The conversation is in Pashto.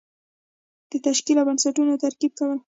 د تشکیل او بستونو ترتیب کول.